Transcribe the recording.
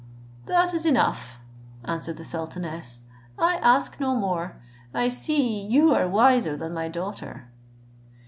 "That is enough," answered the sultaness, "I ask no more, I see you are wiser than my daughter."